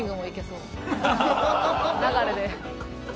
流れで。